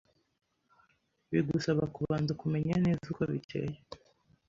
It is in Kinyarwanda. bigusaba kubanza kumenya neza uko biteye